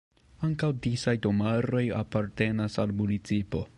Ankaŭ disaj domaroj apartenas al la municipo.